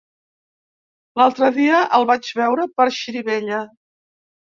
L'altre dia el vaig veure per Xirivella.